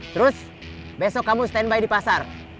terus besok kamu standby di pasar